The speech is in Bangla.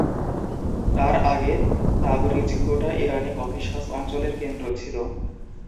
তার আগে তাবরিজ গোটা ইরানি ককেসাস অঞ্চলের কেন্দ্র ছিল।